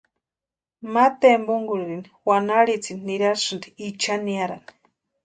Ma tempunkurhiri wanarhitsini nirasti Ichan niarani.